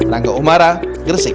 langga umara gresik